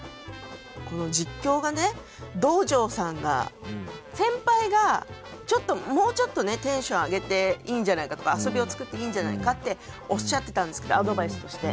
この実況がね道上さんが先輩がもうちょっとねテンション上げていいんじゃないかとか遊びを作っていいんじゃないかっておっしゃってたんですけどアドバイスとして。